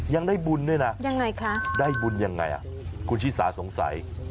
ยังได้บุญด้วยนะคุณชิสาสงสัยยังไงคะ